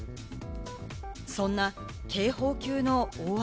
そんな警報級の大雨。